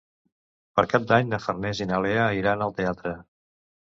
Per Cap d'Any na Farners i na Lea iran al teatre.